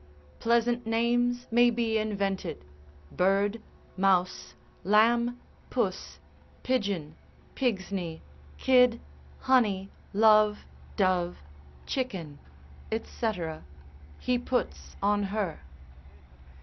pleasant names may be invented, bird, mouse, lamb, puss, pigeon, pigsney, kid, honey, love, dove, chicken, &c. he puts on her.